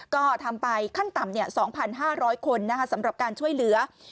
ก็ทำไปขั้นต่ำ๒๕๐๐คนสำหรับการช่วยเหลือ